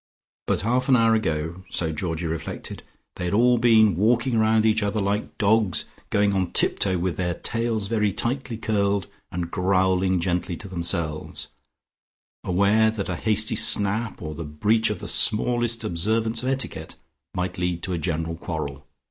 But half an hour ago, so Georgie reflected, they had all been walking round each other like dogs going on tiptoe with their tails very tightly curled, and growling gently to themselves, aware that a hasty snap, or the breach of the smallest observance of etiquette, might lead to a general quarrel.